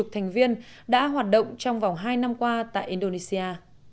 một thành viên đã hoạt động trong vòng hai năm qua tại indonesia